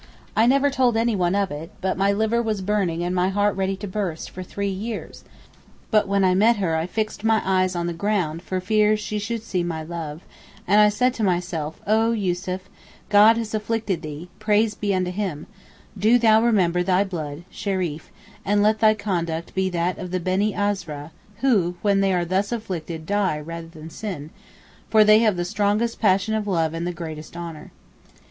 I never told anyone of it, but my liver was burning and my heart ready to burst for three years; but when I met her I fixed my eyes on the ground for fear she should see my love, and I said to myself, Oh Yussuf, God has afflicted thee, praise be unto Him, do thou remember thy blood (Shereef) and let thy conduct be that of the Beni Azra who when they are thus afflicted die rather than sin, for they have the strongest passion of love and the greatest honour.